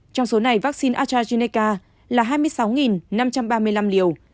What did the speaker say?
trong số này vaccine astrazeneca là hai mươi sáu năm trăm ba mươi năm liều